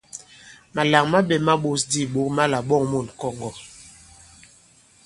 Màlàŋ maɓɛ̄ ma ɓōs di ìɓok ma là-ɓɔ᷇ŋ mût ŋ̀kɔ̀ŋgɔ̀.